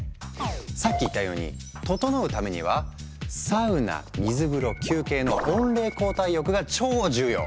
さっき言ったように「ととのう」ためには「サウナ水風呂休憩」の温冷交代浴が超重要！